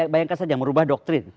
bayangkan saja merubah doktrin